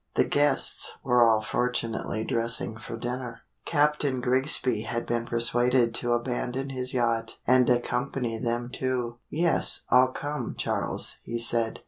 (The guests were all fortunately dressing for dinner.) Captain Grigsby had been persuaded to abandon his yacht and accompany them too. "Yes, I'll come, Charles," he said.